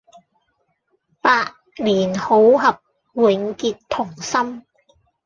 百年好合、永結同心